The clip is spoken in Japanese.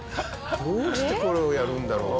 どうしてこれをやるんだろうか？